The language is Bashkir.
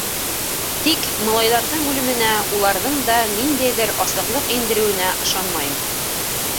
Тик... малайҙарҙың үлеменә уларҙың да ниндәйҙер асыҡлыҡ индереүенә ышанмайым...